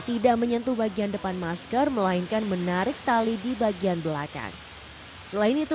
tidak menyentuh bagian depan masker melainkan menarik tali di bagian belakang selain itu